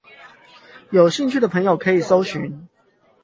有興趣的朋友可以蒐尋